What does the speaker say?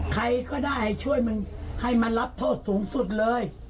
ใครก็ได้ช่วยมึงให้มันรับโทษสูงสุดเลย